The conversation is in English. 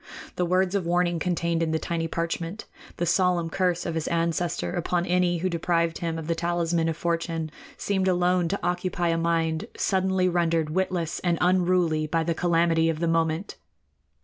The words of warning contained in the tiny parchment, the solemn curse of his ancestor upon any who deprived him of the talisman of fortune, seemed alone to occupy a mind suddenly rendered witless and unruly by the calamity of the moment.